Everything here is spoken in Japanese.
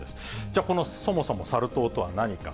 じゃあ、この、そもそもサル痘とは何か。